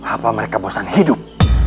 apa mereka bosan hidup